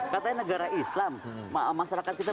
katanya negara islam masyarakat kita